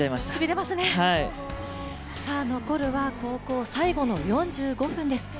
残るは高校最後の４５分です。